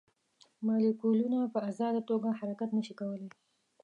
مالیکولونه په ازاده توګه حرکت نه شي کولی.